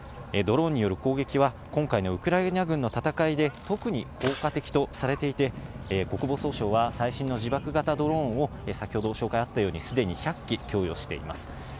ドローンによる攻撃は、今回のウクライナ軍の戦いで特に効果的とされていて、国防総省は、最新の自爆型ドローンを、先ほど紹介あったように、すでに１００機供与しています。